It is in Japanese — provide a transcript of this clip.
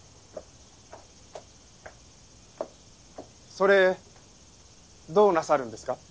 それどうなさるんですか？